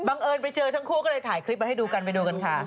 เอิญไปเจอทั้งคู่ก็เลยถ่ายคลิปมาให้ดูกันไปดูกันค่ะ